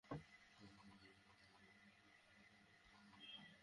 তার পানীয় কতো পবিত্র আর কতো শীতল স্নিগ্ধ।